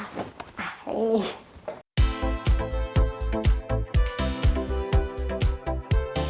ah yang ini